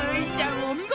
おみごと。